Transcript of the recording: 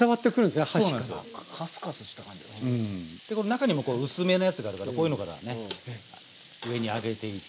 中にも薄めのやつがあるからこういうのからね上に上げていって。